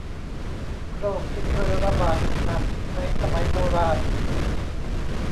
โรคที่เคยระบาดหนักในสมัยโบราณ